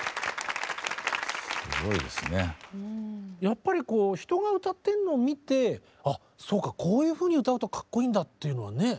やっぱりこう人が歌ってんのを見て「あそうか。こういうふうに歌うとかっこいいんだ」っていうのはね。